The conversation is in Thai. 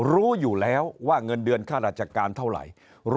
รู้อยู่แล้วว่าเงินเดือนค่าราชการเท่าไหร่